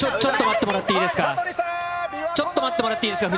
ちょっと待ってもらっていいですか。